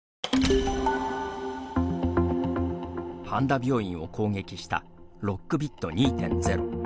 半田病院を攻撃したロックビット２．０。